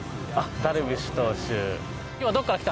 ダルビッシュ投手。